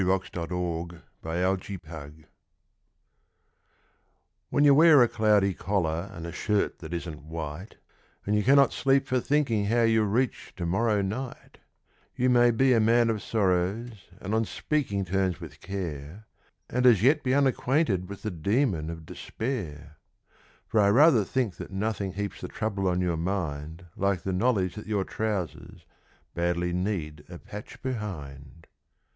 1905 When Your Pants Begin To Go HEN you wear a cloudy collar and a shirt that isn't white, And you cannot sleep for thinking how you'll reach to morrow night, You may be a man of sorrow, and on speaking terms with Care, But as yet you're unacquainted with the Demon of Despair ; For I rather think that nothing heaps the trouble on your mind Like the knowledge that your trousers badly need a patch behind.